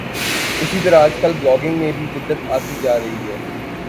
اسی طرح آج کل بلاگنگ میں بھی جدت آتی جا رہی ہے